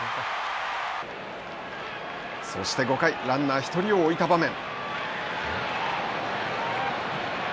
そして５回ランナー１人を置いた場面。